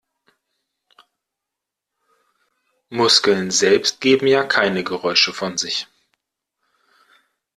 Muskeln selbst geben ja keine Geräusche von sich.